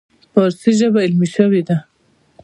فارسي ژبه علمي شوې ده.